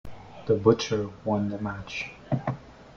The butcher won the match.